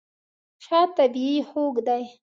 شات طبیعي خوږ دی.